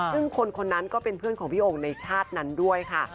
ซึ่งคนคนนั้นก็เป็นเพื่อนของพี่โอ่งในชาตินั้นด้วยค่ะ